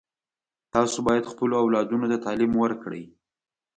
تاسو باید خپلو اولادونو ته تعلیم ورکړئ